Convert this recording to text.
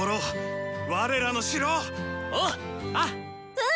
うん。